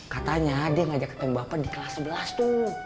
katanya dia ngajak ketemu bapak di kelas sebelas tuh